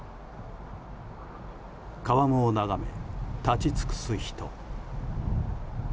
川面を眺め、立ち尽くす人。